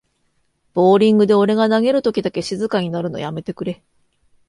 ボーリングで俺が投げるときだけ静かになるのやめてくれ